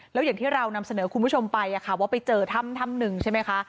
แล้วอย่างที่เรานำเสนอคุณผู้ชมไปว่าไปเจอถ้ำหนึ่งใช่ไหมคะ